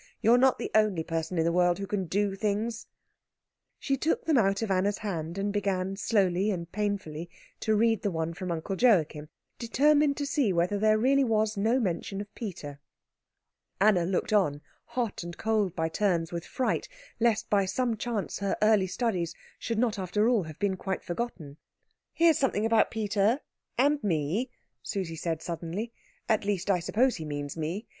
You're not the only person in the world who can do things." She took them out of Anna's hand, and began slowly and painfully to read the one from Uncle Joachim, determined to see whether there really was no mention of Peter. Anna looked on, hot and cold by turns with fright lest by some chance her early studies should not after all have been quite forgotten. "Here's something about Peter and me," Susie said suddenly. "At least, I suppose he means me.